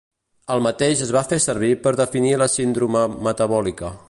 El mateix es va fer servir per definir la síndrome metabòlica.